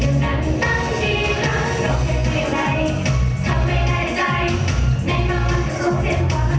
มันคงต้องมีสักวันจะได้ไหลใจชมจักรชนา